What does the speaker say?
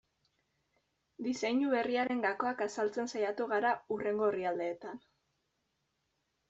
Diseinu berriaren gakoak azaltzen saiatu gara hurrengo orrialdeetan.